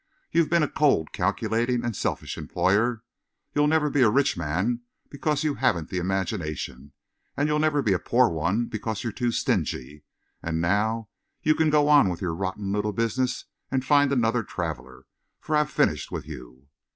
You've been a cold, calculating and selfish employer. You'll never be a rich man because you haven't the imagination, and you'll never be a poor one because you're too stingy. And now you can go on with your rotten little business and find another traveller, for I've finished with you."